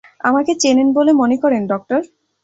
আমাকে চেনেন বলে মনে করেন, ডক্টর?